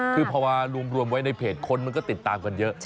คือพอมารวมไว้ในเพจคนมันก็ติดตามกันเยอะ